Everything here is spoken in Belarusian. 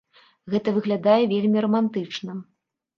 Гэта выглядае вельмі рамантычна.